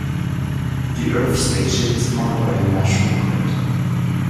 The earth station is powered by the National Grid.